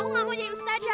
aku gak mau jadi ustadzah